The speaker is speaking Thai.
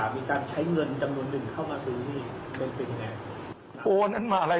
มีการใช้เงินจำนวนหนึ่งเข้ามาซื้อหนี้มันเป็นยังไง